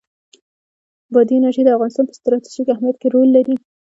بادي انرژي د افغانستان په ستراتیژیک اهمیت کې رول لري.